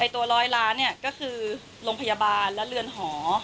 ตัว๑๐๐ล้านก็คือโรงพยาบาลและเรือนหอ